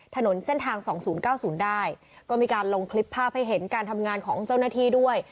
ถนนเส้นทางสองศูนย์เก้าศูนย์ได้ก็มีการลงคลิปภาพให้เห็นการทำงานของเจ้าหน้าที่ด้วย